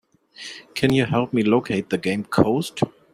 Can you help me locate the game, Coast?